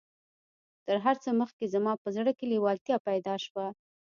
تر هر څه مخکې زما په زړه کې لېوالتيا پيدا شوه.